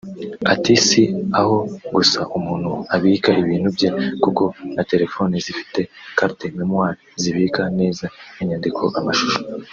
Ati "Si aho gusa umuntu abika ibintu bye kuko na telefoni zifite “Carte memoire” zibika neza inyandiko amashusho